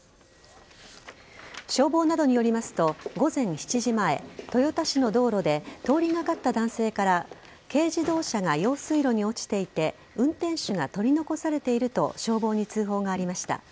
消防などによりますと午前７時前豊田市の道路で通りかかった男性から軽自動車が用水路に落ちていて運転手が取り残されていると消防に通報がありました。